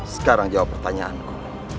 sekarang jawab pertanyaanku